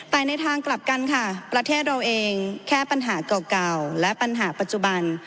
แต่ในทางกลับกันค่ะประเทศเราเองแค่ปัญหาเก่าและปัญหาปัจจุบัน